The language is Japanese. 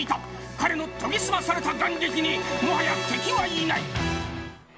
彼の研ぎ澄まされた眼力にもはや敵はいない。